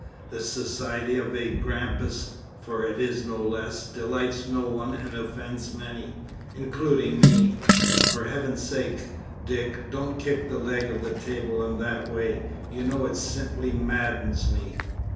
The society of a grampus (for it's no less) delights no one and offends many including me and for Heaven's sake, Dick, don't kick the leg of the table in that way; you know it simply maddens me.